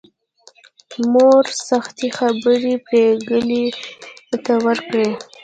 مور سختې خبرې پري ګلې ته وکړې